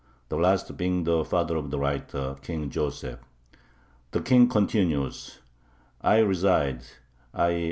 the last being the father of the writer, King Joseph. The King continues: I reside [_i.